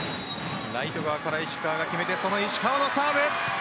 ライト側から石川が決めてその石川のサーブ。